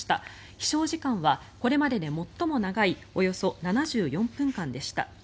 飛翔時間はこれまでで最も長いおよそ７４分間でした。